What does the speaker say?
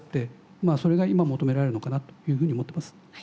それが今求められるのかなというふうに思ってます。